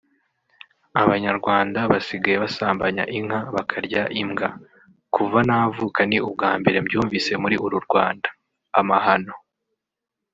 Abanyarwanda basigaye basambanya inka bakarya imbwa (kuva navuka ni umbwambere mbyumvise muri uru Rwanda = amahano)